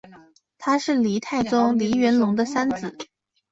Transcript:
他是黎太宗黎元龙的三子。